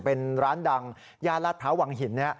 เป็นร้านดังญาติรัฐพระวังหิน